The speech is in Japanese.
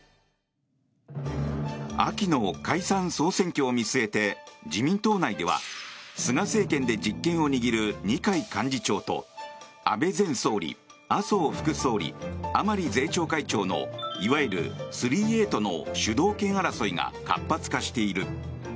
秋の解散・総選挙を見据えて自民党内では菅政権で実権を握る二階幹事長と安倍前総理、麻生副総理甘利税調会長のいわゆる３Ａとの主導権争いが活発化している。